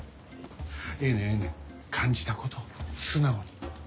ええねんええねん感じたことを素直に。